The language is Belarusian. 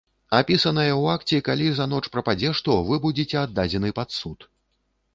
Упісанае ў акце калі за ноч прападзе што, вы будзеце аддадзены пад суд.